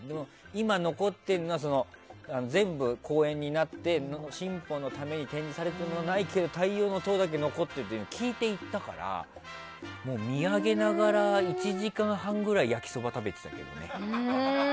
今残っているのは全部、公園になって進歩のために展示されているものはないけど太陽の塔だけは残ってるっていうのは聞いて行ったから見上げながら１時間半ぐらい焼きそばを食べてたんだよね。